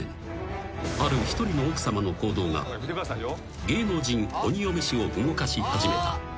［ある一人の奥さまの行動が芸能人鬼嫁史を動かし始めた］